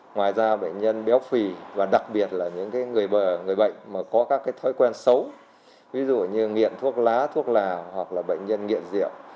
ngoài ra bệnh nhân béo phì và đặc biệt là những người bệnh mà có các thói quen xấu ví dụ như nghiện thuốc lá thuốc lào hoặc là bệnh nhân nghiện rượu